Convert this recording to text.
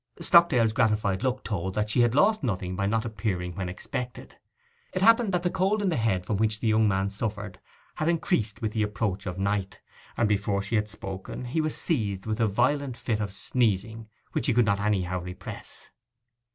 Stockdale's gratified look told that she had lost nothing by not appearing when expected. It happened that the cold in the head from which the young man suffered had increased with the approach of night, and before she had spoken he was seized with a violent fit of sneezing which he could not anyhow repress.